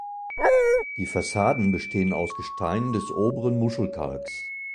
Die Fassaden bestehen aus Gestein des Oberen Muschelkalks.